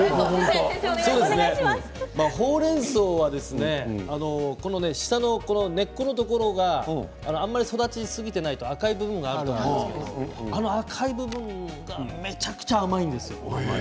ほうれんそうは下の根っこのところが育ちすぎてないと赤くなると思うんですけれど赤い部分がめちゃくちゃ甘いんですよ。